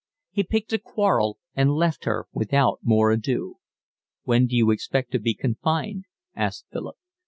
He picked a quarrel and left her without more ado. "When d'you expect to be confined?" asked Philip.